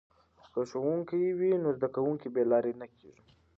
که ښوونکی وي نو زده کوونکي بې لارې نه کیږي.